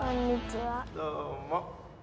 どうも。